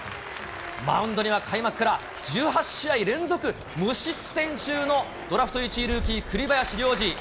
マウンドには、開幕から１８試合連続無失点中のドラフト１位ルーキー、栗林良治。